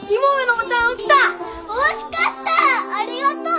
おいしかったありがとう！